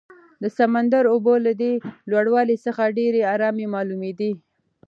د سمندر اوبه له دې لوړوالي څخه ډېرې ارامې معلومېدې.